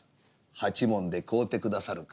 「八文で買うて下さるか。